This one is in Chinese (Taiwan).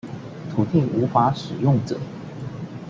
土地無法使用者